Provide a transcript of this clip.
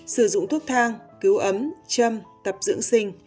sử dụng thuốc thang cứu ấm châm tập dưỡng sinh